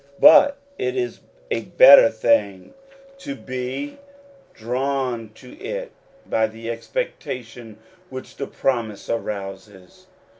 but it is a better thing to be drawn to it by the expectation which the promise arouses.